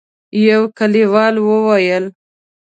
يوه کليوال وويل: